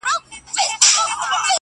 ژوند له مینې نه پیاوړی کېږي.